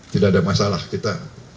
tidak ada masalah kita